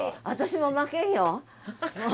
私も負けんよ。